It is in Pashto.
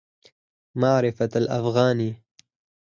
معرفت الافغاني